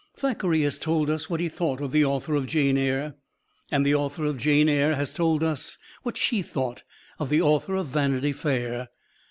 Thackeray has told us what he thought of the author of "Jane Eyre," and the author of "Jane Eyre" has told us what she thought of the author of "Vanity Fair."